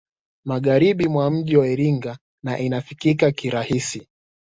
Magharibi mwa mji wa Iringa na inafikika kwa urahisi